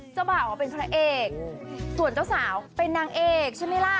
เจ้าบ่าวเป็นพระเอกส่วนเจ้าสาวเป็นนางเอกใช่ไหมล่ะ